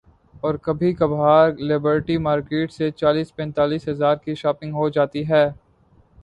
اورکبھی کبھار Liberty market سے چالیس پینتالیس ہزار کی شاپنگ ہو جاتی ہے۔